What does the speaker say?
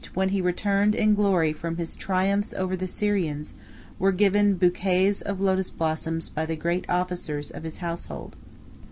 when he returned in glory from his triumphs over the Syrians, were given bouquets of lotus blossoms by the great officers of his household.